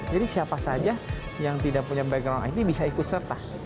jadi siapa saja yang tidak punya background it bisa ikut serta